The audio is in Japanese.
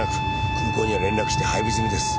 空港には連絡して配備済みです。